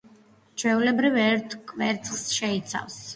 ჩვეულებრივ ერთ კვერცხს შეიცავს.